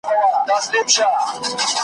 چي هر څو یې وو خپل عقل ځغلولی .